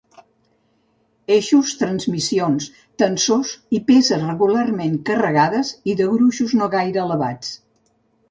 Eixos, transmissions, tensors i peces regularment carregades i de gruixos no gaire elevats.